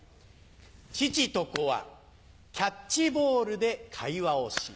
父と子はキャッチボールで会話をし。